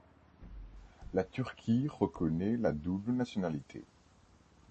La Turquie reconnaît la double nationalité.